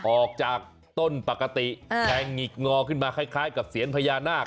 ออกจากต้นปกติแทงหงิกงอขึ้นมาคล้ายกับเซียนพญานาค